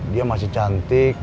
dia masih cantik